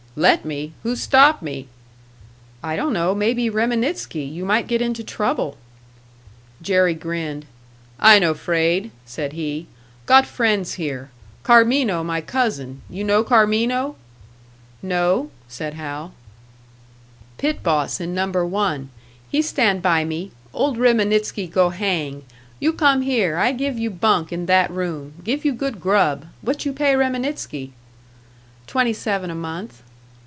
"Let me? Who stop me?" "I don't know. Maybe Reminitsky. You might get into trouble." Jerry grinned. "I no fraid," said he. "Got friends here. Carmino my cousin. You know Carmino?" "No," said Hal. "Pit boss in Number One. He stand by me. Old Reminitsky go hang! You come here, I give you bunk in that room, give you good grub. What you pay Reminitsky?" "Twenty seven a month."